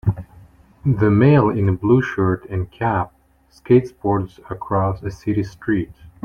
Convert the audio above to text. The male in a blue shirt and cap skateboards across a city street.